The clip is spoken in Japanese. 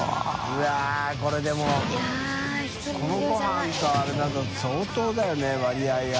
うわぁこれでも海ごはんとあれだと相当だよね割合が。